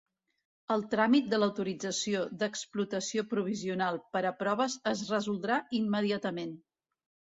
El tràmit de l'autorització d'explotació provisional per a proves es resoldrà immediatament.